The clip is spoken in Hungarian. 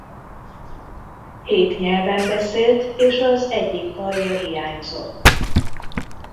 Hét nyelven beszélt és az egyik karja hiányzott.